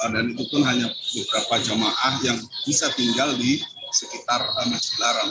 dan itu pun hanya beberapa jemaah yang bisa tinggal di sekitar mas jelaram